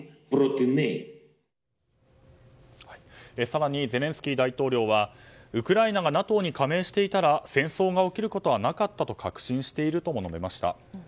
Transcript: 更に、ゼレンスキー大統領はウクライナがＮＡＴＯに加盟していたら戦争が起きることはなかったと確信しているとも述べました。